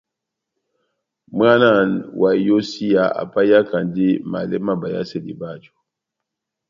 Mwána wa iyósiya apahiyakandi malɛ má bayasedi báju.